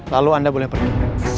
lalu anda boleh pergi